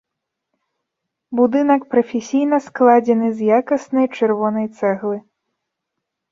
Будынак прафесійна складзены з якаснай чырвонай цэглы.